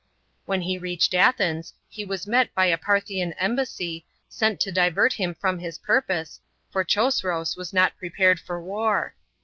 When he reached Athens he was met by a Parthian embassy, sent to divert him from his purpose, for Chosroes was not prepared for war.